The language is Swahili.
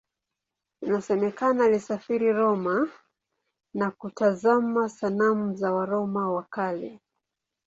Inasemekana alisafiri Roma na kutazama sanamu za Waroma wa Kale.